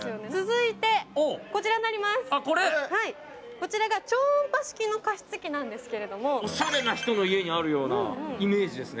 こちらが超音波式の加湿器なんですけれどもオシャレな人の家にあるようなイメージですね